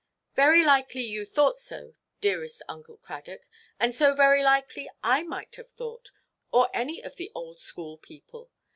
"Very likely you thought so, dearest Uncle Cradock; and so very likely I might have thought, or any of the old–school people.